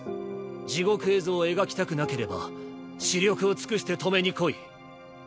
地獄絵図を描きたくなければ死力を尽くして止めに来い。